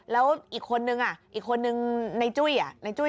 แล้วอีกคนนึงอ่ะอีกคนหนึ่งในจุ้ยนะ